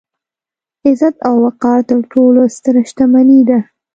عزت او وقار تر ټولو ستره شتمني ده.